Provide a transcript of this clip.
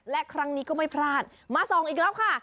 และครั้งนี้ก็ไม่พลาดมาส่องอีกแล้วค่ะ